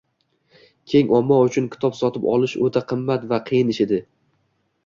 Keng omma uchun kitob sotib olish oʻta qimmat va qiyin ish edi.